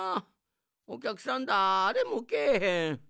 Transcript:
おきゃくさんだれもけえへん。